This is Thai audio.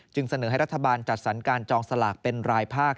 เสนอให้รัฐบาลจัดสรรการจองสลากเป็นรายภาค